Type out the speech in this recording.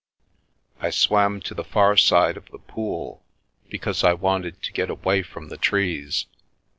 I swam to the far side of the pool, because I wanted to get away from the trees.